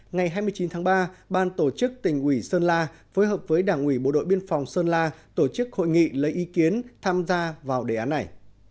ngày hai mươi chín tháng ba ban tổ chức tỉnh ủy sơn la phối hợp với đảng ủy bộ đội biên phòng sơn la tổ chức hội nghị lấy ý kiến tham gia vào đề án này